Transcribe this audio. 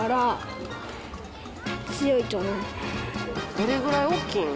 どれぐらい大きいん？